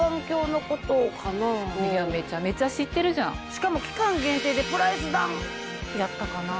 しかも期間限定でプライスダウンやったかな？